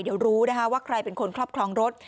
เดี๋ยวรู้นะคะว่าใครเป็นคนครอบครองรถ